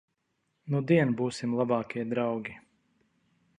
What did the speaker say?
Nudien būsim labākie draugi?